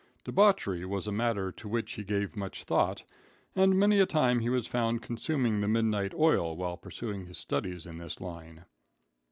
Debauchery was a matter to which he gave much thought, and many a time he was found consuming the midnight oil while pursuing his studies in this line.